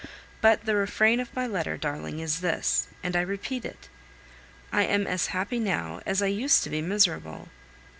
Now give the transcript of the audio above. But the refrain of my letter, darling, is this, and I repeat it: I am as happy now as I used to be miserable.